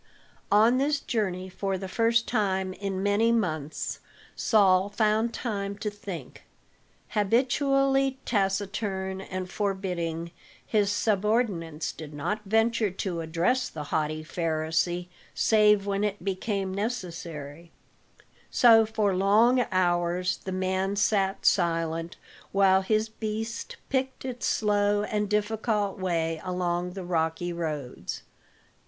On this journey for the first time in many months Saul found time to think. Habitually taciturn and forbidding, his subordinates did not venture to address the haughty Pharisee save when it became necessary; so for long hours the man sat silent, while his beast picked its slow and difficult way along the rocky roads.